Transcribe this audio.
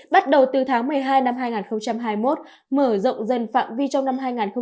bắt đầu từ tháng một mươi hai năm hai nghìn hai mươi một mở rộng dần phạm vi trong năm hai nghìn hai mươi ba